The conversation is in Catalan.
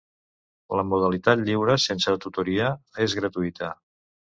La modalitat lliure, sense tutoria, és gratuïta.